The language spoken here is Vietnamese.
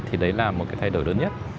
thì đấy là một cái thay đổi lớn nhất